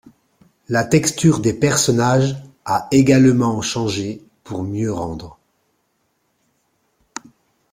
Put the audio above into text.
La texture des personnages a également changé pour mieux rendre.